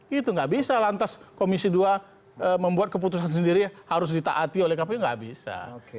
gitu nggak bisa lantas komisi dua membuat keputusan sendiri harus ditaati oleh kpu nggak bisa